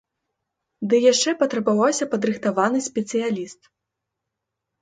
Ды яшчэ патрабаваўся падрыхтаваны спецыяліст.